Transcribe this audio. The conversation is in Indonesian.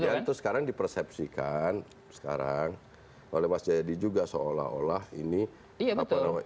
iya itu sekarang dipersepsikan sekarang oleh mas jayadi juga seolah olah ini apa namanya